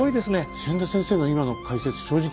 千田先生の今の解説正直